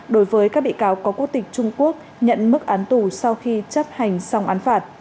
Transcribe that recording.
đối với các bị cáo có quốc tịch trung quốc nhận mức án tù sau khi chấp hành xong án phạt